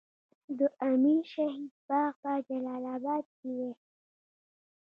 د امیر شهید باغ په جلال اباد کې دی